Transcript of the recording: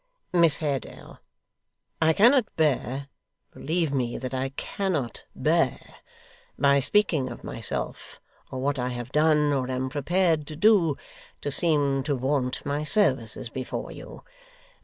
Miss Haredale, I cannot bear believe me, that I cannot bear by speaking of myself, or what I have done, or am prepared to do, to seem to vaunt my services before you.